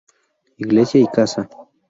Iglesia y casa.